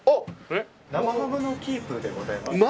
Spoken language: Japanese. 生ハムのキープでございます。